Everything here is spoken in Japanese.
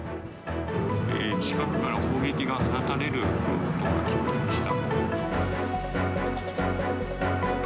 近くから砲撃が放たれる音が聞こえました。